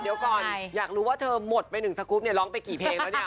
เดี๋ยวก่อนอยากรู้ว่าเธอหมดไปหนึ่งสกรูปเนี่ยร้องไปกี่เพลงแล้วเนี่ย